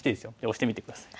押してみて下さい。